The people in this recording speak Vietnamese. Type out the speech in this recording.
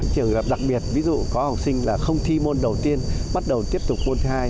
trường hợp đặc biệt ví dụ có học sinh là không thi môn đầu tiên bắt đầu tiếp tục môn thứ hai